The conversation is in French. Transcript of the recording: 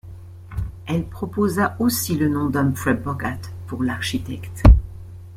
Elle proposa aussi le nom d'Humphrey Bogart pour l'architecte.